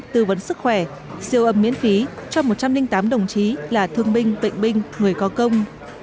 tư vấn sức khỏe siêu âm miễn phí cho một trăm linh tám đồng chí là thương binh bệnh binh người có công